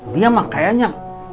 dia mah kayaknya